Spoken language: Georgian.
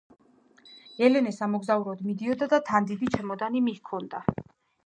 ელენე სამოგზაუროდ მიდიოდა და თან დიდი ჩემოდანი მიჰქონდა